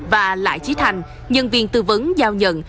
và lại trí thành nhân viên tư vấn giao nhận